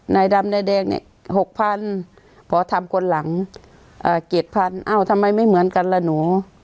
นายดำนายแดงเนี่ย๖๐๐พอทำคนหลัง๗๐๐เอ้าทำไมไม่เหมือนกันล่ะหนู